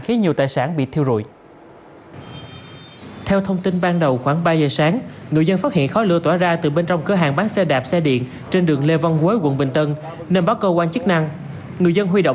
khiến nhiều tài sản bị thiêu rụi